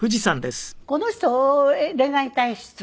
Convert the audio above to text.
この人恋愛体質。